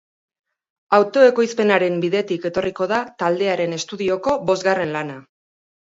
Autoekoizpenaren bidetik etorriko da taldearen estudioko bosgarren lana.